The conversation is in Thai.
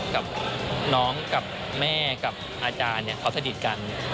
กับน้องกับแม่กับอาจารย์เขาสนิทกัน